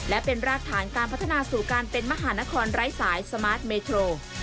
และเป็นรากฐานการพัฒนาสู่การเป็นมหานครไร้สายสมาร์ทเมโทร